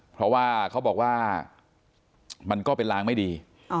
เพราะว่าเขาบอกว่ามันก็เป็นลางไม่ดี